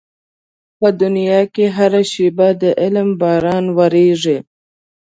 په دنيا کې هره شېبه د علم باران ورېږي.